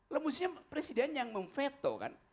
maksudnya presiden yang memveto kan